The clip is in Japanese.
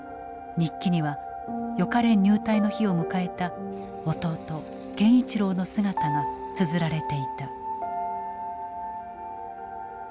日記には予科練入隊の日を迎えた弟健一郎の姿が綴られていた。